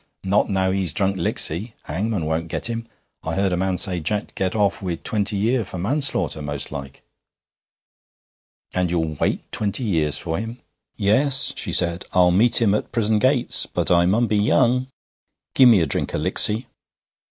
'Not now he's drunk Licksy hangman won't get him. I heard a man say Jack 'd get off wi' twenty year for manslaughter, most like.' 'And you'll wait twenty years for him?' 'Yes,' she said; 'I'll meet him at prison gates. But I mun be young. Give me a drink o' Licksy.'